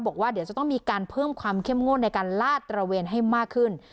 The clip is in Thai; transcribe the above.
บอกว่าเดี๋ยวจะต้องมีการเพิ่มความเข้มงวดในการลาดตระเวนให้มากขึ้น